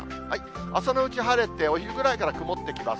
朝のうち晴れて、お昼ぐらいから曇ってきます。